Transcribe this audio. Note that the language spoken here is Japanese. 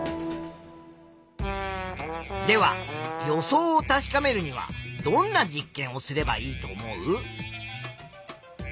では予想を確かめるにはどんな実験をすればいいと思う？